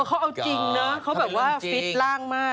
มันเพราะเขาเอาจริงนะเขาแบบว่าฟิตร่างมาก